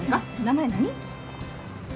名前何？